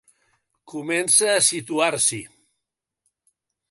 Comença a situar-s'hi.